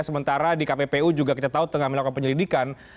sementara di kppu juga kita tahu tengah melakukan penyelidikan